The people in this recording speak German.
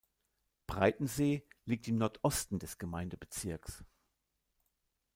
Breitensee liegt im Nordosten des Gemeindebezirks.